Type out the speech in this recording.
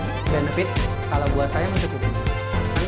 untuk benefit kalau buat saya maksudnya itu